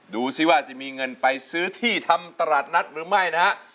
ดูสิว่าจะมีเงินไปซื้อที่ทำตลาดนัดหรือไม่นะฮะ